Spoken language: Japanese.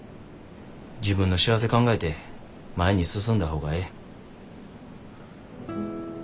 自分の幸せ考えて前に進んだ方がええ。